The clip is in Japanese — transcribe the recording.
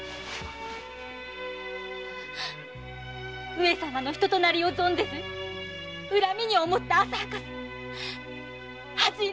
上様の人となりを存ぜず恨みに思った浅はかさ恥じ入ります。